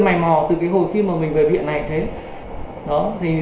mài mò từ cái hồi khi mà mình về viện này thế đó